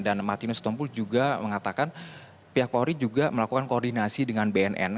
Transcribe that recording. dan martinus tompu juga mengatakan pihak polri juga melakukan koordinasi dengan bnn